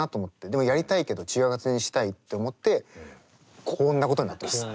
でもやりたいけど違う形にしたいって思ってこんなことになったんです。